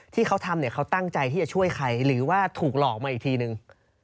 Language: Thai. ที่เขาทำเนี่ยเขาตั้งใจที่จะช่วยใครหรือว่าถูกหลอกมาอีกทีนึง